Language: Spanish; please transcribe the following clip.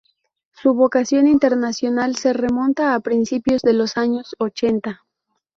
Su vocación internacional se remonta a principios de los años ochenta.